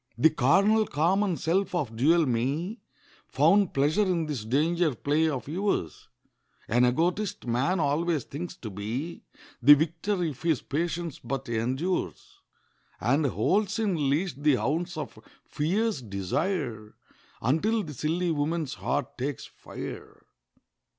The carnal, common self of dual me Found pleasure in this danger play of yours. (An egotist, man always thinks to be The victor, if his patience but endures, And holds in leash the hounds of fierce desire, Until the silly woman's heart takes fire.)